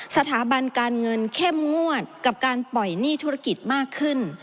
สถาบันการเงินเข้มงวดกับการปล่อยหนี้ธุรกิจมากขึ้น